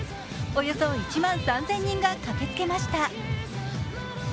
およそ１万３０００人が駆けつけました。